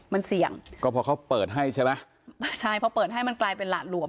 มันเสี่ยงก็เพราะเขาเปิดให้ใช่ไหมใช่พอเปิดให้มันกลายเป็นหละหลวม